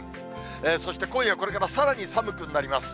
そして、今夜これからさらに寒くなります。